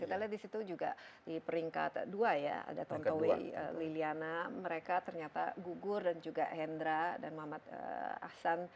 kita lihat di situ juga di peringkat dua ya ada tantowi liliana mereka ternyata gugur dan juga hendra dan muhammad ahsan